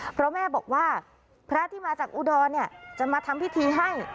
เพราะแม่บอกว่าพระที่มาจากอุดรจะมาทำพิธีให้